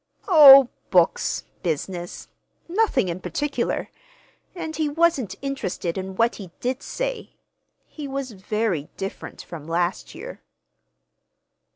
"Oh, books, business:—nothing in particular. And he wasn't interested in what he did say. He was very different from last year."